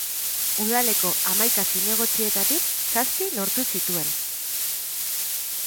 Udaleko hamaika zinegotzietatik zazpi lortu zituen.